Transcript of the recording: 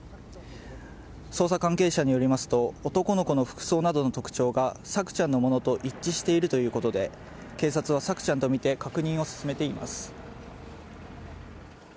捜査関係者によりますと男の子の服装などの特徴が朔ちゃんのものと一致しているということで警察は朔ちゃんとみて確認を進めています。